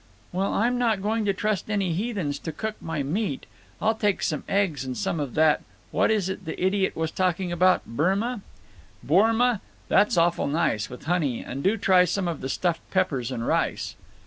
"Well, I'm not going to trust any heathens to cook my meat. I'll take some eggs and some of that—what was it the idiot was talking about—berma?" "Bourma…. That's awful nice. With honey. And do try some of the stuffed peppers and rice."